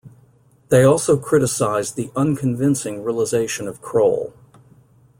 They also criticised the "unconvincing" realisation of Kroll.